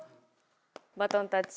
バトンタッチ。